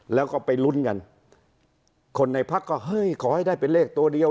แล้วก็ไปลุ้นกันคนในพักก็เฮ้ยขอให้ได้เป็นเลขตัวเดียว